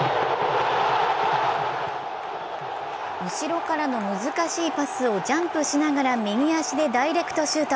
後ろからの難しいパスをジャンプしながら右足でダイレクトシュート。